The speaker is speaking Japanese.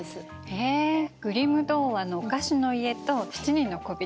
へえ「グリム童話」のお菓子の家と七人の小人ね。